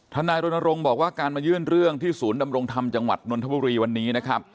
ท่านนายรณรงค์บอกว่าการมายื่นเรื่องที่ศูนย์ดำรงทำจังหวัดนวลธบุรีวันนี้